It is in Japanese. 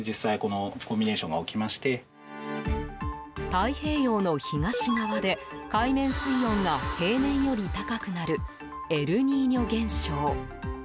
太平洋の東側で海面水温が平年より高くなるエルニーニョ現象。